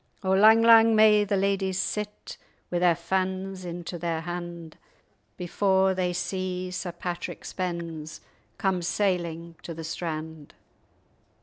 O lang, lang may the ladyes sit, Wi' their fans into their hand, Before they see Sir Patrick Spens Come sailing to the strand!